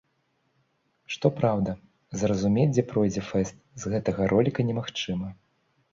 Што праўда, зразумець, дзе пройдзе фэст, з гэтага роліка немагчыма.